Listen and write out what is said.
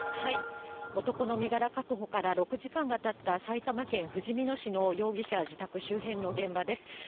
男の身柄確保から６時間がたった、埼玉県ふじみ野市の容疑者自宅周辺の現場です。